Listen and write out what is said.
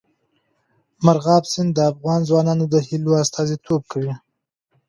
مورغاب سیند د افغان ځوانانو د هیلو استازیتوب کوي.